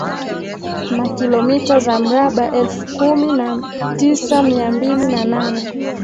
na Kilomita za mraba elfu kumi na tisa mia mbili na nane